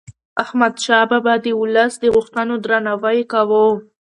احمدشاه بابا د ولس د غوښتنو درناوی کاوه.